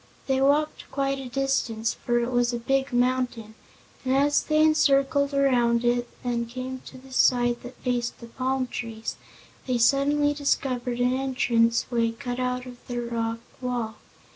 They walked quite a distance, for it was a big mountain, and as they circled around it and came to the side that faced the palm trees, they suddenly discovered an entrance way cut out of the rock wall.